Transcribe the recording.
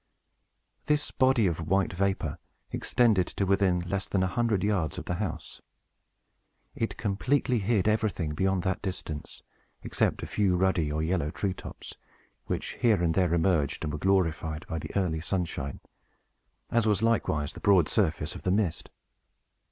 This body of white vapor extended to within less than a hundred yards of the house. It completely hid everything beyond that distance, except a few ruddy or yellow tree tops, which here and there emerged, and were glorified by the early sunshine, as was likewise the broad surface of the mist.